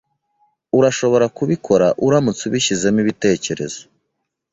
Urashobora kubikora uramutse ubishyizemo ibitekerezo.